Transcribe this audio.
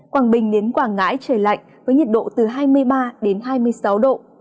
quảng bình đến quảng ngãi trời lạnh với nhiệt độ từ hai mươi ba đến hai mươi sáu độ